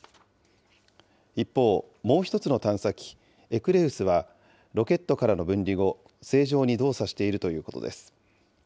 一方、もう１つの探査機、ＥＱＵＵＬＥＵＳはロケットからの分離後、正常に動作しているということです。